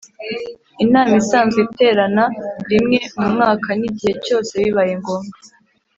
Inama isanzwe iterana rimwe mu mwaka n’igihe cyose bibaye ngombwa